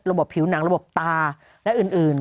ผิวหนังระบบตาและอื่น